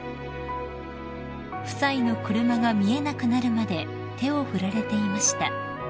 ［夫妻の車が見えなくなるまで手を振られていました］